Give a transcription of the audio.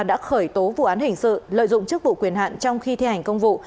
đã khởi tố vụ án hình sự lợi dụng chức vụ quyền hạn trong khi thi hành công vụ